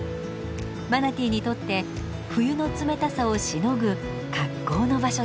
マナティーにとって冬の冷たさをしのぐ格好の場所です。